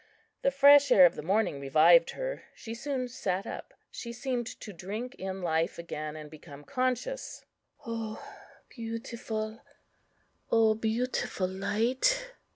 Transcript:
The fresh air of the morning revived her; she soon sat up. She seemed to drink in life again, and became conscious. "O beautiful Light!"